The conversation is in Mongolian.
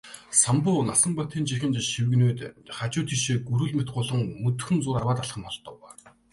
Самбуу Насанбатын чихэнд шивгэнээд хажуу тийшээ гүрвэл мэт гулган төдхөн зуур арваад алхам холдов.